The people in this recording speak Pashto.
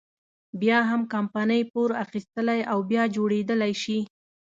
بيا هم کمپنۍ پور اخیستلی او بیا جوړېدلی شي.